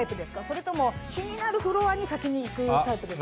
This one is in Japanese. それとも気になるフロアに先に行くタイプですか？